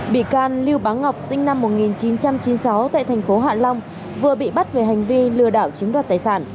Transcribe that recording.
bị can lưu báo ngọc sinh năm một nghìn chín trăm chín mươi sáu tại thành phố hạ long vừa bị bắt về hành vi lừa đảo chiếm đoạt tài sản